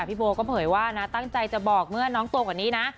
พี่โบก็เผยว่านะตั้งใจจะบอกเมื่อน้องโตกว่านี้นะ